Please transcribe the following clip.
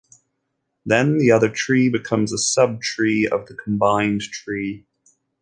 Then the other tree becomes a subtree of the combined tree.